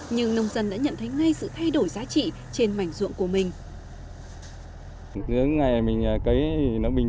nhưng nông dân đã nhận thấy ngay sự thay đổi giá trị trên mảnh ruộng của mình